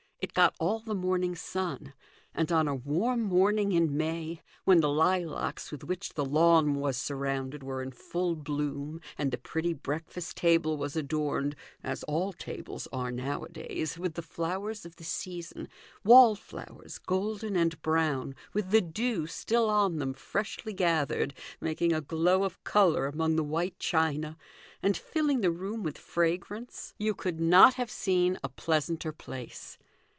It got all the morning sun, and on a warm morning in May, when the lilacs with which the lawn was surrounded were in full bloom, and the pretty breakfast table was adorned as all tables are nowadays with the flowers of the season, wallflowers golden and brown, with the dew still on them freshly gathered, making a glow of colour among the white china, and filling the room with fragrance, you could not 274 THE GOLDEN RULE. have seen a pleasanter place.